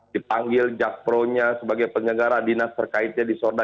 dipanggil jakpronya sebagai penyegara dinas terkaitnya di sorda